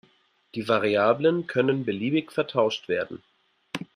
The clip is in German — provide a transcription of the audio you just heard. Die Variablen können beliebig vertauscht werden.